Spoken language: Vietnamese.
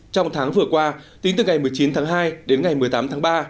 trong tháng vừa qua tính từ ngày một mươi chín tháng hai đến ngày một mươi tám tháng ba